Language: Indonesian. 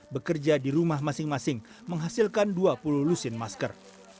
bekerja di rumah masing masing menghasilkan dua puluh lusin masker